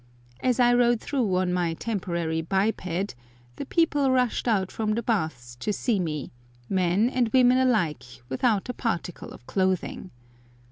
As I rode through on my temporary biped the people rushed out from the baths to see me, men and women alike without a particle of clothing.